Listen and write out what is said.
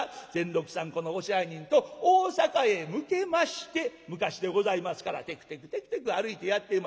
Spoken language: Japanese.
このお支配人と大坂へ向けまして昔でございますからてくてくてくてく歩いてやって参ります。